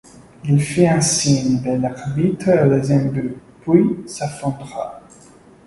Il fit un signe vers l'arbitre au deuxième but puis s'effondra.